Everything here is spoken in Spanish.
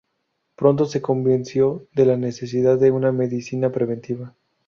Pronto se convenció de la necesidad de una medicina preventiva.